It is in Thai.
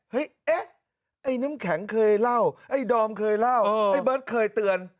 เอ๊ะไอ้น้ำแข็งเคยเล่าไอ้ดอมเคยเล่าไอ้เบิร์ตเคยเตือน